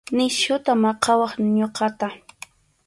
Nisyuta maqawaq ñuqata.